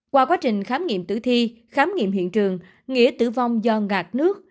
qua quá trình khám nghiệm tử thi khám nghiệm hiện trường nghĩa tử vong do ngạt nước